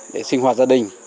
để sinh hoạt gia đình